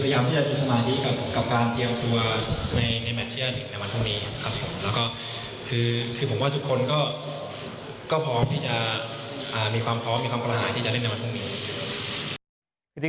คือผมว่าทุกคนก็พร้อมที่จะมีความพร้อมมีความกำลังที่จะเล่นแบบนี้